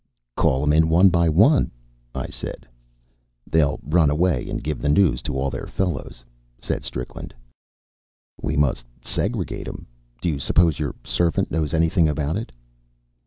"Call 'em in one by one," I said. "They'll run away and give the news to all their fellows," said Strickland. "We must segregate 'em. Do you suppose your servant knows anything about it?"